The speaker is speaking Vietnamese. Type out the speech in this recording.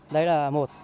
đấy là một